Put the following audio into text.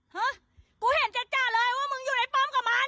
ฮะกูเห็นจัดจ้าเลยว่ามึงอยู่ในป้อมกับมัน